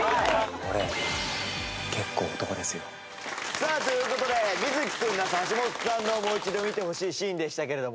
さあという事で瑞稀君那須橋本さんのもう一度見てほしいシーンでしたけれども。